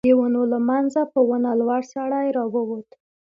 د ونو له مينځه په ونه لوړ سړی را ووت.